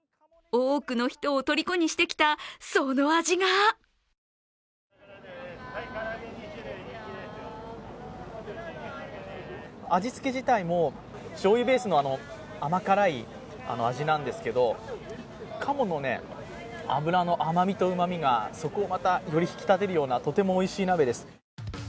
多くの人をとりこにしてきたその味が味つけ自体もしょうゆベースの甘辛い味なんですけど、鴨の脂の甘みとうまみがそこをまたより引き立てるような、とてもおいしい鍋です。